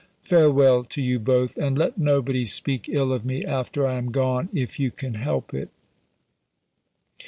Farewell to you both! and let nobody speak ill of me after I am gone, if you can help it!"